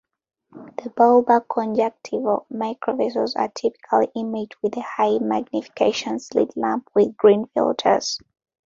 The bulbar conjunctival microvessels are typically imaged with a high-magnification slit-lamp with green filters.